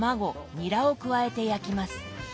ニラを加えて焼きます。